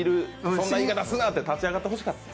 そんな言い方すな！って立ち上がってほしかった。